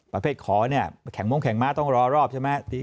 ประเภทขอเนี่ยแข่งมงแข่งม้าต้องรอรอบใช่ไหม